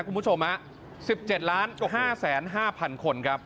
คุณผู้ชมนะ๑๗๕๐๕๐๐๐คุณครับ